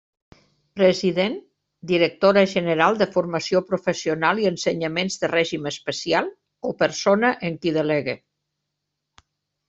President: directora general de Formació Professional i Ensenyaments de Règim Especial o persona en qui delegue.